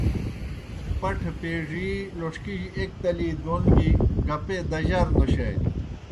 پٹَھہ پیڙی لوݜکِجیْ ایْک تلی دون گیْ گَپے دجار نوشانیْ۔